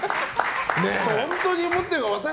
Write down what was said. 本当に思っているかは。